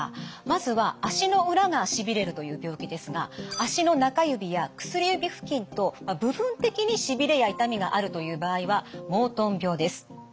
まずは足の裏がしびれるという病気ですが足の中指や薬指付近と部分的にしびれや痛みがあるという場合はモートン病です。